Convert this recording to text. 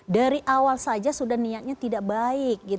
dari awal saja sudah niatnya tidak baik